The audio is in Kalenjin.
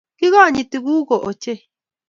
Kikonyitii gugo ochei